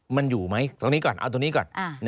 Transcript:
มันอยู่ไหมตรงนี้ก่อนเอาตรงนี้ก่อน